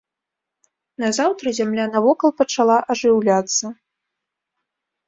Назаўтра зямля навокал пачала ажыўляцца.